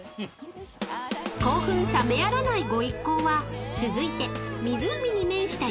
［興奮冷めやらないご一行は続いて湖に面した］